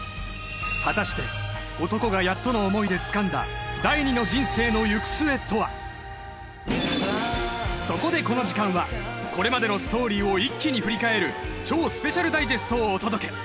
果たして男がやっとの思いでつかんだそこでこの時間はこれまでのストーリーを一気に振り返る超スペシャルダイジェストをお届け！